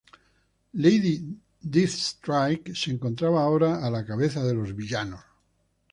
Lady Deathstrike se encontraba ahora a la cabeza de los villanos.